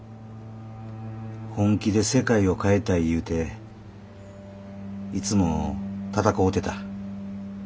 本気で世界を変えたい言うていつも闘うてた。